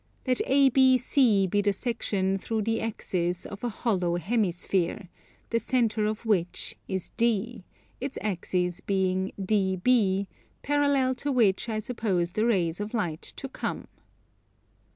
Let ABC be the section, through the axis, of a hollow hemisphere, the centre of which is D, its axis being DB, parallel to which I suppose the rays of light to come.